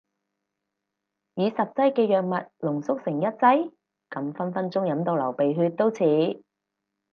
以十劑嘅藥物濃縮成一劑？咁分分鐘飲到流鼻血都似